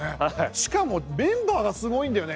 しかもメンバーがすごいんだよね。